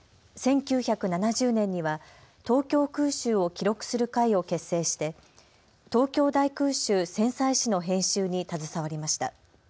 １９７０年には東京空襲を記録する会を結成して東京大空襲・戦災誌の編集に携わりました。